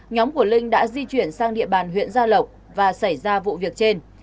nhóm của linh đã di chuyển sang địa bàn huyện gia lộc và xảy ra vụ việc trên